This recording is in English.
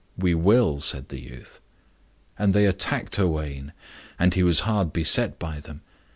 "We will," said the youth. And they attacked Owain, and he was hard beset by them.